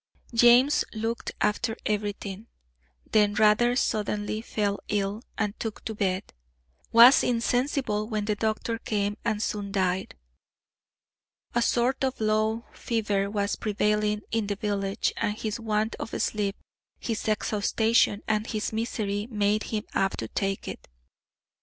James looked after everything; then rather suddenly fell ill, and took to bed; was insensible when the doctor came, and soon died. A sort of low fever was prevailing in the village, and his want of sleep, his exhaustion, and his misery, made him apt to take it.